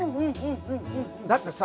だってさ。